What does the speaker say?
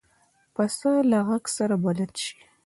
پسه له غږ سره بلد شي.